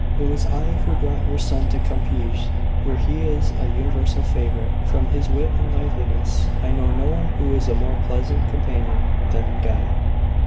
"It was I who brought your son to Compiegne where he is a universal favourite, from his wit and liveliness. I know no one who is a more pleasant companion than Guy."